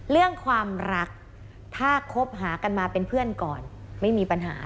เรื่องความรักถ้าคบหากันมาเป็นเพื่อนก่อนไม่มีปัญหา